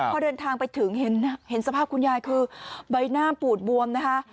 พอเดินทางไปถึงเห็นสภาพคุณยายคือใบหน้าปูดบวมนะคะ